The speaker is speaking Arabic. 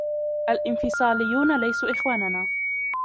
الانفصاليّون ليسوا إخواننا.